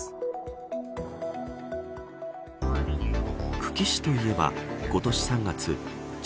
久喜市といえば今年３月築